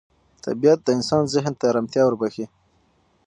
طبیعت د انسان ذهن ته ارامتیا وربخښي